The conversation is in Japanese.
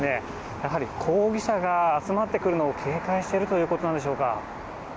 やはり抗議者が集まってくるのを、警戒しているということなんでしょうか。